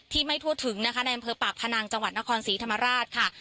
ที่ไม่ทวดถึงนะคะในอันพปากพนังจนครศรีธรรมาราชค่ะ